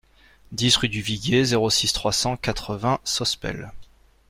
dix rue du Viguier, zéro six, trois cent quatre-vingts Sospel